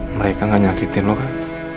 mereka gak nyakitin lo kan